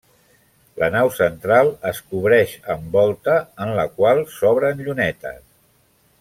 La nau central es cobreix amb volta en la qual s'obren llunetes.